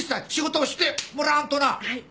はい。